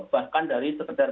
bahkan dari sekedar